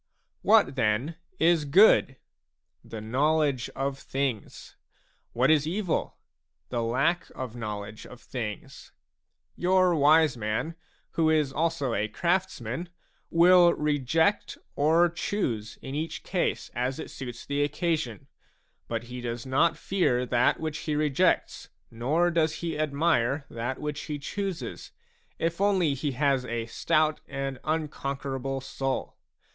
What then is good ? The knowledge of things. What is evil? The lack of knowledge of things. Your wise man, who is also a craftsman, will reject or choose in each case as it suits the occasion ; but he does not fear that which he rejects, nor does he admire that which he chooses, if only he has a stout and unconquerable soul.